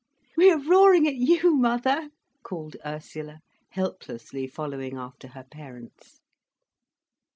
"We are roaring at you, mother," called Ursula, helplessly following after her parents.